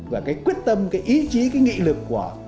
và cái quyết tâm cái ý chí cái nghị lực của